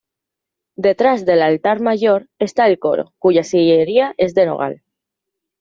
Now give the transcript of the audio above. Detrás del altar mayor, está el coro, cuya sillería es de nogal.